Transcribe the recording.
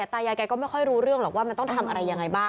ตายายแกก็ไม่ค่อยรู้เรื่องหรอกว่ามันต้องทำอะไรยังไงบ้าง